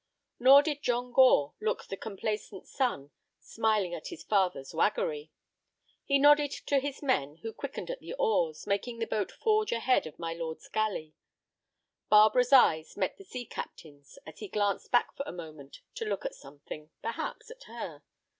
Nor did John Gore look the complaisant son smiling at his father's waggery. He nodded to his men, who quickened at the oars, making the boat forge ahead of my lord's galley. Barbara's eyes met the sea captain's as he glanced back for a moment to look at something, perhaps at her.